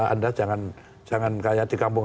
anda jangan kayak di kampung